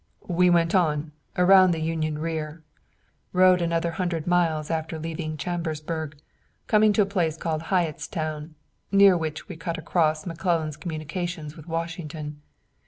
"We went on around the Union rear, rode another hundred miles after leaving Chambersburg, coming to a place called Hyattstown, near which we cut across McClellan's communications with Washington.